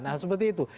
nah seperti itu